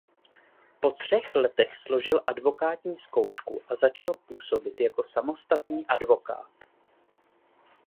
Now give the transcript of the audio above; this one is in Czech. Po třech letech složil advokátní zkoušku a začal působit jako samostatný advokát.